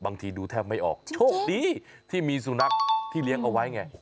ดูแทบไม่ออกโชคดีที่มีสุนัขที่เลี้ยงเอาไว้ไง